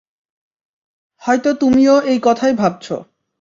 হয়তো তুমিও এই কথাই ভাবছো।